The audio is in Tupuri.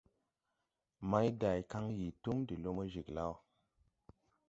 Mayday kan yii túm de lumo jiglaw.